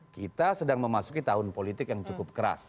kita sedang memasuki tahun politik yang cukup keras